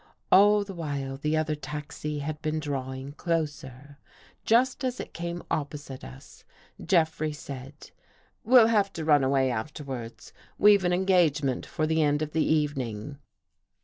All the while the other taxi had been drawing closer. Just as it came opposite us, Jeffrey said: "We'll have to run away afterwards. We've an engagement for the end of the evening."